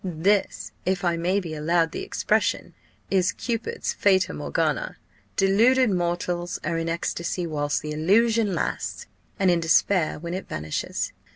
This, if I may be allowed the expression, is Cupid's Fata Morgana. Deluded mortals are in ecstasy whilst the illusion lasts, and in despair when it vanishes."